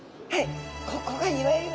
ここがいわゆる。